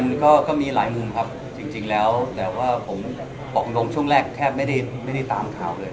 มันก็มีหลายมุมครับจริงแล้วแต่ว่าผมบอกตรงช่วงแรกแทบไม่ได้ตามข่าวเลย